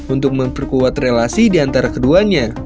untuk memperkuat relasi di antara keduanya